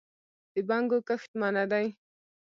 د بنګو کښت منع دی؟